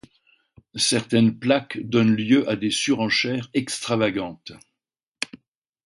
Certaines plaques donnent lieu à des surenchères extravagantes.